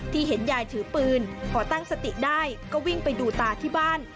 เห็นยายถือปืนพอตั้งสติได้ก็วิ่งไปดูตาที่บ้าน